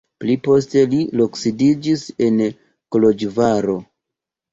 Pli poste li loksidiĝis en Koloĵvaro.